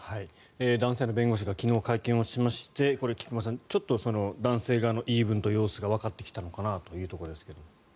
男性の弁護士が昨日、会見しまして菊間さん、ちょっと男性側の言い分と様子がわかってきたのかなというところですが。